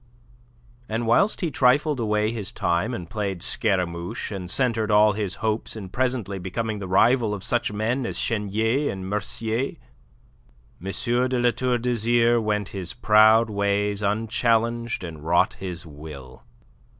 And whilst he trifled away his time and played Scaramouche, and centred all his hopes in presently becoming the rival of such men as Chenier and Mercier, M. de La Tour d'Azyr went his proud ways unchallenged and wrought his will.